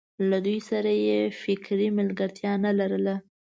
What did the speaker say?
له دوی سره یې فکري ملګرتیا نه لرله.